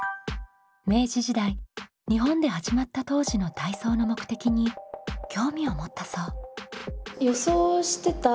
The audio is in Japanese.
明治時代日本で始まった当時の体操の目的に興味を持ったそう。